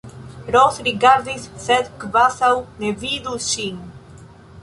Ros rigardis, sed kvazaŭ ne vidus ŝin.